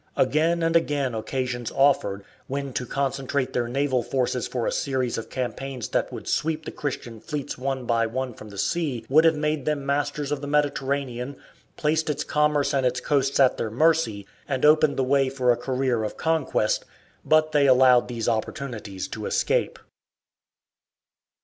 Again and again occasions offered, when to concentrate their naval forces for a series of campaigns that would sweep the Christian fleets one by one from the sea would have made them masters of the Mediterranean, placed its commerce and its coasts at their mercy, and opened the way for a career of conquest, but they allowed these opportunities to escape.